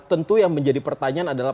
tentu yang menjadi pertanyaan adalah